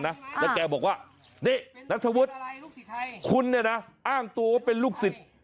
แล้วแกบอกว่านักธวรรณ์สหุดอ้างตัวต้องเป็นลูกศิษย์